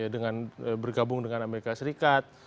dengan bergabung dengan amerika serikat